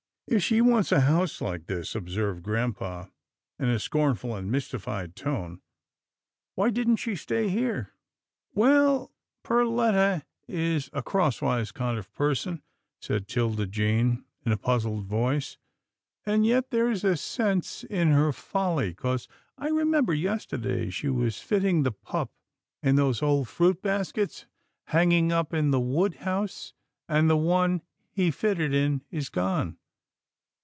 '' "If she wants a house like this," observed grampa in a scornful and mystified tone, " why didn't she stay here? "" Well, Perletta is a crosswise kind of person," said 'Tilda Jane in a puzzled voice, " and yet there's a sense in her folly, 'cause I remember yesterday she was fitting the pup in those old fruit baskets, hanging up in the wood house, and the one he fitted in is gone."